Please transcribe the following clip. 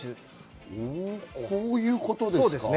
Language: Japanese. こういうことですか？